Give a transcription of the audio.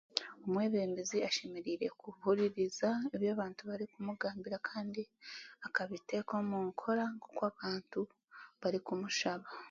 Omwebembezi ashemereire kuhuririza ebi abantu barikumugambira kandi akabiteka omu nkora nk'oku abantu barikumushaba.